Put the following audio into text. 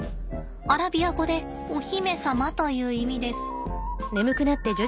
アラビア語でお姫様という意味です。